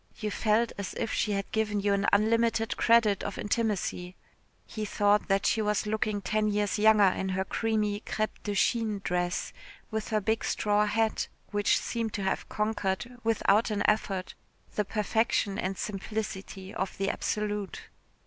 You felt as if she had given you an unlimited credit of intimacy. He thought that she was looking ten years younger in her creamy crêpe de Chine dress, with her big straw hat, which seemed to have conquered, without an effort, the perfection and simplicity of the absolute.